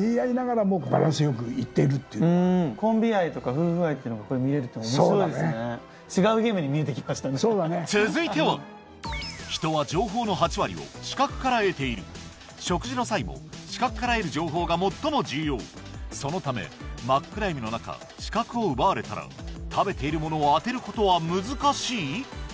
途中で色んなことがあってもそうだね続いては人は情報の８割を視覚から得ている食事の際も視覚から得る情報が最も重要そのため真っ暗闇の中視覚を奪われたら食べているものを当てることは難しい？